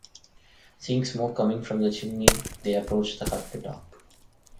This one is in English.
Seeing smoke coming from the chimney, they approached the hut to talk.